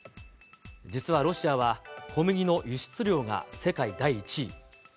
実はロシアは、小麦の輸出量が世界第１位。